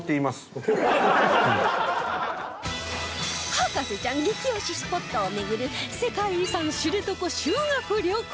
博士ちゃん激推しスポットを巡る世界遺産知床修学旅行